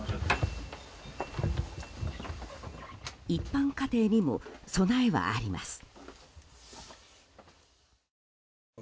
一般家庭にも備えはあります。